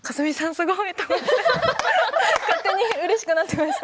すごいって勝手にうれしくなっていました。